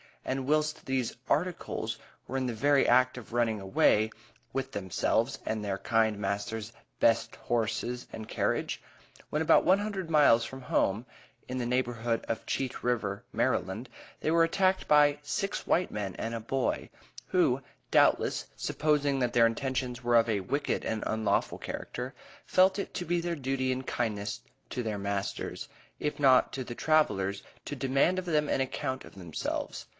And whilst these "articles" were in the very act of running away with themselves and their kind master's best horses and carriage when about one hundred miles from home, in the neighborhood of Cheat river, Maryland, they were attacked by "six white men, and a boy," who, doubtless, supposing that their intentions were of a "wicked and unlawful character" felt it to be their duty in kindness to their masters, if not to the travelers to demand of them an account of themselves.